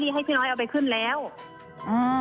แล้วทีนี้เขาก็เอาไปบ้านแฟนเขา